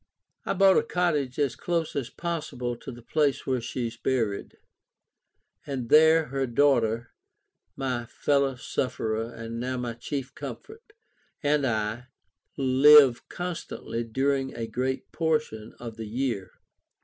I bought a cottage as close as possible to the place where she is buried, and there her daughter (my fellow sufferer and now my chief comfort) and I, live constantly during a great portion of the year.